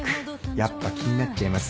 やっぱ気になっちゃいます？